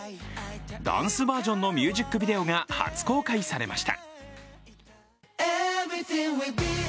ダンスバージョンのミュージックビデオが初公開されました。